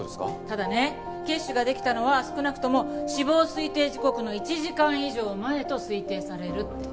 ただね血腫ができたのは少なくとも死亡推定時刻の１時間以上前と推定されるって。